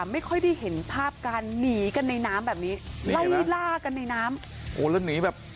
ไม่ค่อยได้เห็นภาพการหนีกันในน้ำแบบนี้ไล่ล่ากันในน้ำโอ้แล้วหนีแบบ